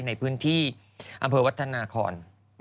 ในพื้นที่อำเภอวัฒนาคอน